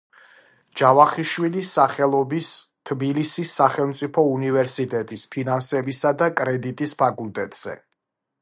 ჯავახიშვილის სახელობის თბილისის სახელმწიფო უნივერსიტეტის ფინანსებისა და კრედიტის ფაკულტეტზე.